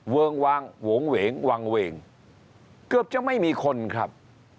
วงวางโหงเวงวางเวงเกือบจะไม่มีคนครับ